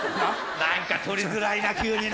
何か取りづらいな急に。